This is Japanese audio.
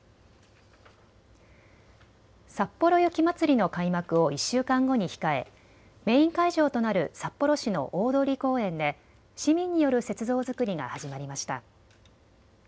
さっぽろ雪まつりの開幕を１週間後に控えメイン会場となる札幌市の大通公園で市民による雪像づくりが始まりました。